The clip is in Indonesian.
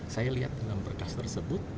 saya lihat dengan berkas tersebut